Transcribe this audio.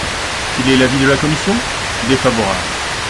Quel est l’avis de la commission ? Défavorable.